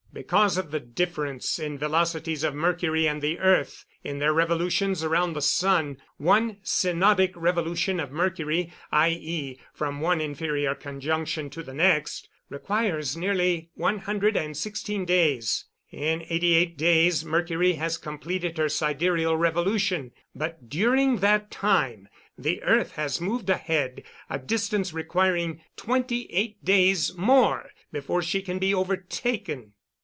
Because of the difference in the velocities of Mercury and the earth in their revolutions around the sun, one synodic revolution of Mercury, i.e., from one inferior conjunction to the next, requires nearly one hundred and sixteen days. In eighty eight days Mercury has completed her sidereal revolution, but during that time the earth has moved ahead a distance requiring twenty eight days more before she can be overtaken.